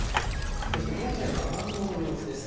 そして現在の雨雲の様子です。